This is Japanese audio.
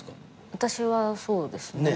私はそうですね。